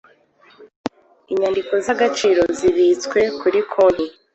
inyandiko z agaciro zibitswe kuri konti